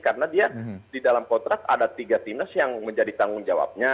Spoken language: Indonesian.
karena dia di dalam kontrak ada tiga timnas yang menjadi tanggung jawabnya